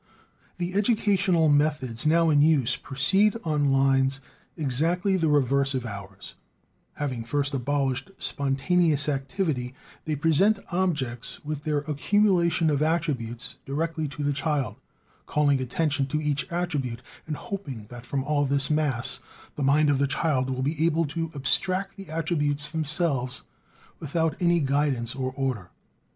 The educational methods now in use proceed on lines exactly the reverse of ours; having first abolished spontaneous activity, they present objects with their accumulation of attributes directly to the child, calling attention to each attribute, and hoping that from all this mass the mind of the child will be able to abstract the attributes themselves, without any guidance or order.